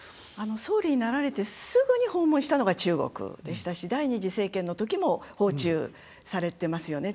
総理になられてすぐに訪問したのが中国でしたし第２次政権のときも訪中されてますよね。